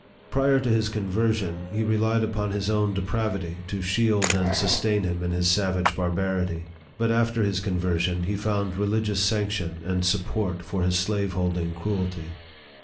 Prior to his conversion, he relied upon his own depravity to shield and sustain him in his savage barbarity ; but after his conversion, he found religious sanction and support for his slaveholding cruelty.